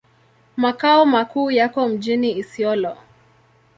Makao makuu yako mjini Isiolo.